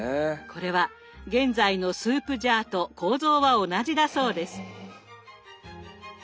これは現在のスープジャーと構造は同じだそうです。